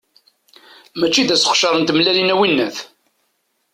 Mačči d aseqcer n tmellalin, a winnat.